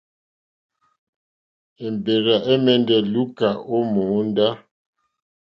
Èmbèrzà ɛ̀mɛ́ndɛ́ lùúká ó mòóndá.